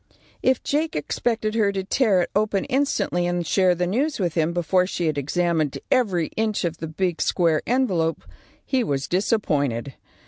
If Jake expected her to tear it open instantly and share the news with him before she had examined every inch of the big square envelope, he was disappointed.